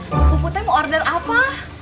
bapak bapak mau order apa